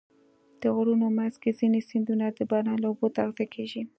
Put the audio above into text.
د غرونو منځ کې ځینې سیندونه د باران له اوبو تغذیه کېږي.